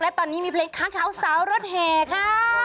และตอนนี้มีเพลงค้างขาวสาวรถแห่ค่ะ